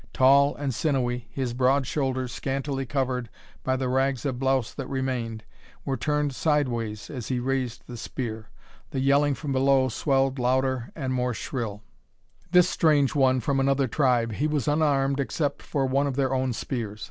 Tall and sinewy, his broad shoulders, scantily covered by the rags of blouse that remained, were turned sideways as he raised the spear. The yelling from below swelled louder and more shrill. This strange one from another tribe he was unarmed except for one of their own spears.